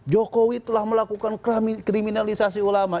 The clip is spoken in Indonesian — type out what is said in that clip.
jokowi telah melakukan kriminalisasi ulama